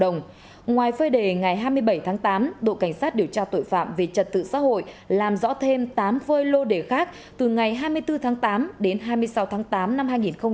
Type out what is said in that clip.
ngoài phơi đề ngày hai mươi bảy tháng tám đội cảnh sát điều tra tội phạm về trật tự xã hội làm rõ thêm tám phơi lô đề khác từ ngày hai mươi bốn tháng tám đến hai mươi sáu tháng tám năm hai nghìn hai mươi ba